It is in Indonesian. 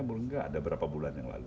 enggak ada beberapa bulan yang lalu